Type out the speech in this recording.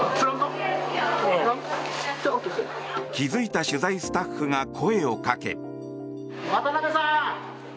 気付いた取材スタッフが声をかけ。